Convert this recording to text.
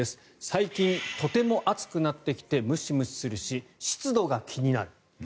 最近とても暑くなってきてムシムシするし湿度が気になる。